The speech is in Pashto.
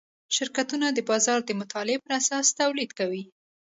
شرکتونه د بازار د مطالعې پراساس تولید کوي.